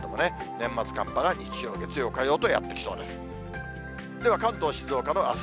年末寒波が日曜、月曜、火曜とやってきそうです。